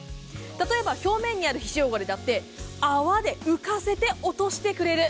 例えば表面にある皮脂汚れだって泡で浮かせて落としてくれる。